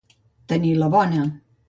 Tenir la bona.